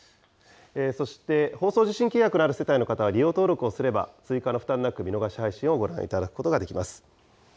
そして放送受信契約のある世帯の方は利用登録をすれば、追加の負担なく、見逃し配信をご覧いただくことができます。